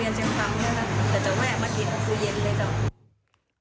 แต่จะแวะมากินกับผู้เย็นเลยจ้ะ